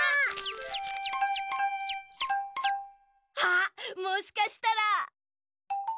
あっもしかしたら。